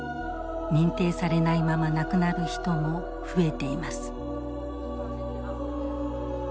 認定されないまま亡くなる人も増えています。